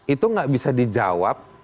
itu gak bisa di jawab